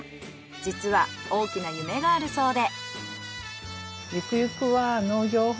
実は大きな夢があるそうで。